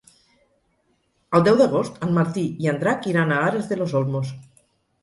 El deu d'agost en Martí i en Drac iran a Aras de los Olmos.